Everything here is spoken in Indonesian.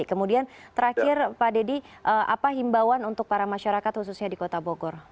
kemudian terakhir pak dedy apa himbauan untuk para masyarakat khususnya di kota bogor